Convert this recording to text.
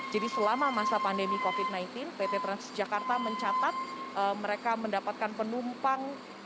jadi selama masa pandemi covid sembilan belas pt transjakarta mencatat mereka mendapatkan penumpang